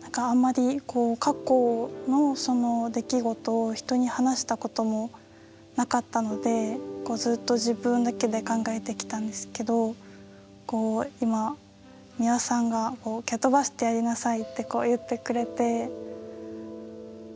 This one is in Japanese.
何かあんまり過去の出来事を人に話したこともなかったのでずっと自分だけで考えてきたんですけど今美輪さんが「蹴飛ばしてやりなさい」って言ってくれて。